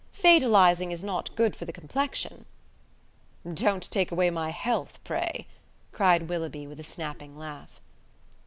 Fatalizing is not good for the complexion." "Don't take away my health, pray," cried Willoughby, with a snapping laugh.